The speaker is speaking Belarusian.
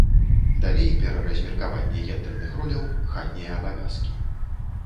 Далей, пераразмеркаванне гендэрных роляў, хатнія абавязкі.